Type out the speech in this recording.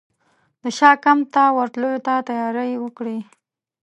د شاه کمپ ته ورتللو ته تیاري وکړي.